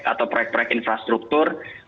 atau proyek proyek infrastruktur